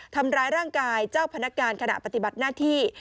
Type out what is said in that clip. ทำร้ายร่างกายเจ้าพนักงานขณะปฏิบัติหน้าที่